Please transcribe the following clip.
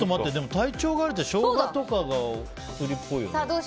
体調が悪い時ってショウガとかっぽいよね。